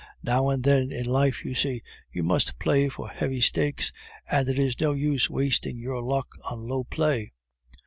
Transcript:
Now and then in life, you see, you must play for heavy stakes, and it is no use wasting your luck on low play."